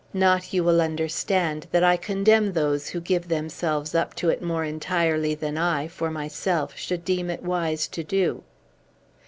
Not, you will understand, that I condemn those who give themselves up to it more entirely than I, for myself, should deem it wise to do."